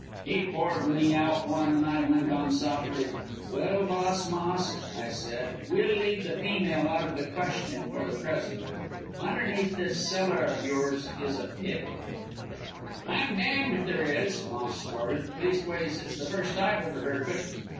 "He poured me out one, and I went on softly, 'Well, boss Moss,' I said, 'we'll leave the female out of the question for the present. Underneath this cellar of yours, is a pit.' "'I'm damned if there is!' Moss snorted; 'leastways, it's the first I've ever heard of it.'